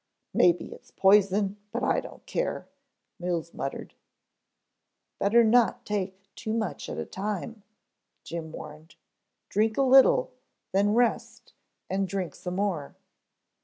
"Maybe it's poison but I don't care," Mills muttered. "Better not take too much at a time," Jim warned. "Drink a little, then rest and drink some more."